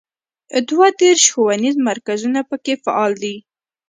دوه دیرش ښوونیز مرکزونه په کې فعال دي.